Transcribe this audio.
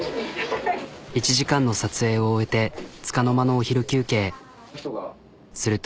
１時間の撮影を終えてつかの間のお昼休憩すると。